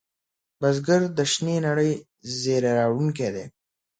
بزګر د شنې نړۍ زېری راوړونکی دی